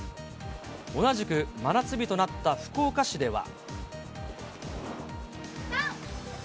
同じく真夏日となった福岡市では。